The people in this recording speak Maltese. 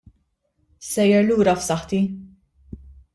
Sejjer lura f'saħħti.